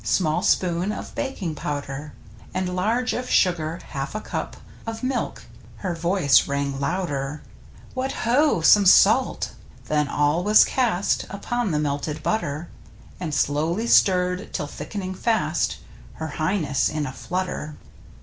Small spoon of baking powder, And large of sugar, half a cup Of milk. Her voice rang louder: "What ho! some salt." Then all was cast Upon the melted butter. And slowly stirred till, thick'ning fast, Her Highness, in a flutter.